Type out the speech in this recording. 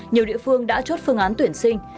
nhiều địa phương đã chốt phương án tuyển sinh